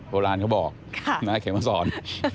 โบราณเขาบอกเราให้เขามาสอน